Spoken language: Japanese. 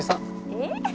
えっ？